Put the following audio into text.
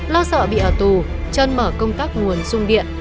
lo sợ bị ở tù trơn mở công tác nguồn sung điện